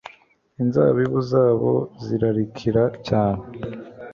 Inzabibu zazo zirarikira cyane